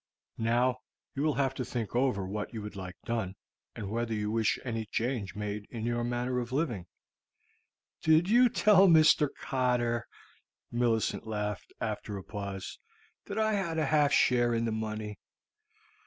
Now you will have to think over what you would like done, and whether you wish any change made in your manner of living." "Did you tell Mr. Cotter," Millicent laughed, after a pause, "that I had a half share in the money?"